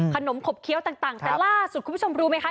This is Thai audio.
ขมขบเคี้ยวต่างแต่ล่าสุดคุณผู้ชมรู้ไหมคะ